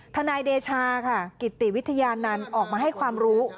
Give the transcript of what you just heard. ทนายเดชาค่ะกิติวิทยานันต์ออกมาให้ความรู้